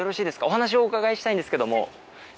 お話をお伺いしたいんですけども。